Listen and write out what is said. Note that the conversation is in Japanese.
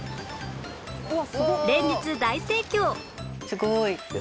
連日大盛況